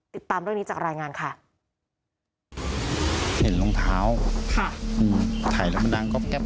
ติดตามเรื่องนี้จากรายงานค่ะ